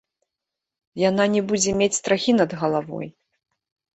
Яна не будзе мець страхі над галавой.